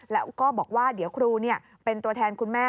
แล้วก็บอกว่าเดี๋ยวครูเป็นตัวแทนคุณแม่